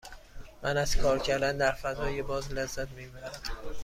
من از کار کردن در فضای باز لذت می برم.